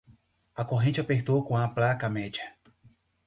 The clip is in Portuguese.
A corrente apertou com a placa média.